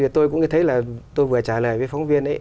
tôi cũng thấy là tôi vừa trả lời với phóng viên ấy